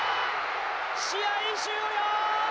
試合終了。